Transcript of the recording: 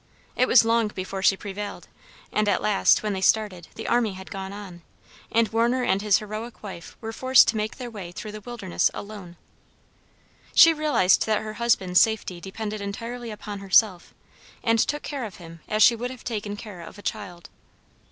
It was long before she prevailed, and at last, when they started, the army had gone on, and Warner and his heroic wife were forced to make their way through the wilderness alone. She realized that her husband's safety depended entirely upon herself, and took care of him as she would have taken care of a child.